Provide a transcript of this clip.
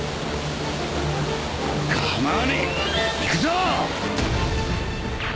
構わねえ。いくぞ！